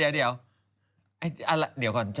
เดี๋ยวก่อน